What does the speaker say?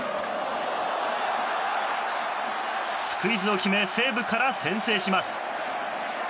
スクイズを決め西武から先制します。